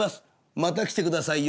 「また来て下さいよ」。